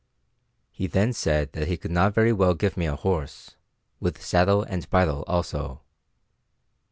He then said that he could not very well give me ahorse, "with saddle and bridle also."